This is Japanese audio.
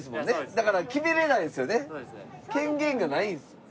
だから決められないんですよね。